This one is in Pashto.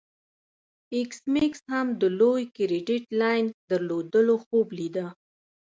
ایس میکس هم د لوی کریډیټ لاین درلودلو خوب لیده